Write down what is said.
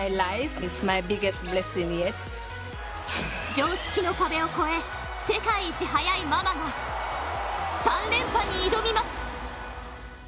常識の壁を越え、世界一速いママが３連覇に挑みます。